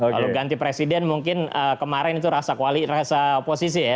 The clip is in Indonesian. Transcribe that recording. kalau ganti presiden mungkin kemarin itu rasa oposisi ya